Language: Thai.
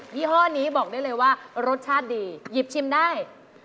ี่ห้อนี้บอกได้เลยว่ารสชาติดีหยิบชิมได้